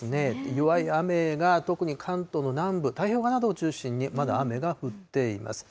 弱い雨が特に関東の南部、太平洋側などを中心にまだ雨が降っています。